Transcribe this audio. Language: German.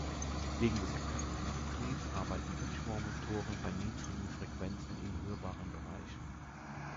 Wegen des getakteten Betriebs arbeiten „Inchworm“-Motoren bei niedrigen Frequenzen im hörbaren Bereich.